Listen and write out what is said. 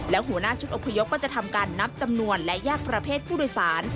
และหัวหน้าชุดอพยพก็จะทำการนับจำนวนและแยกประเภทผู้โดยสาร